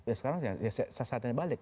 ya sekarang saatnya balik